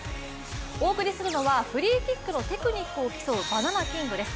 お送りするのはフリーキックのテクニックを競うバナナＫＩＮＧです。